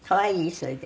それで。